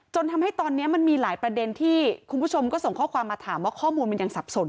ทำให้ตอนนี้มันมีหลายประเด็นที่คุณผู้ชมก็ส่งข้อความมาถามว่าข้อมูลมันยังสับสน